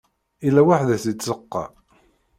Yella weḥd-s di tzeqqa.